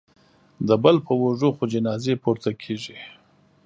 د بل په اوږو خو جنازې پورته کېږي